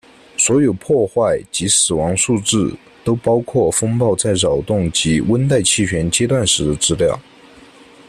所有破坏及死亡数字都包括风暴在扰动及温带气旋阶段时的资料。